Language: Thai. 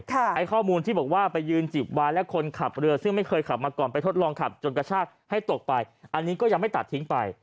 ไอ้ข้อมูลที่บอกว่าไปยืนจิบวายและคนขับเรือซึ่งไม่เคยขับมาก่อนไปทดลองขับจนกระชากให้ตกไปอันนี้ก็ยังไม่ตัดทิ้งไป